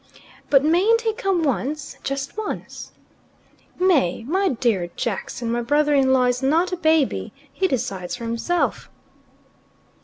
"But mayn't he come once, just once?" "May, my dear Jackson! My brother in law is not a baby. He decides for himself."